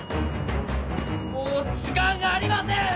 もう時間がありません！